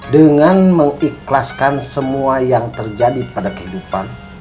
dengan mengikhlaskan semua yang terjadi pada kehidupan